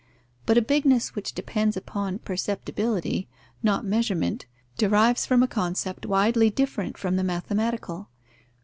But a bigness which depends upon perceptibility, not measurement, derives from a concept widely different from the mathematical.